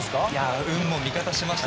運も味方しました。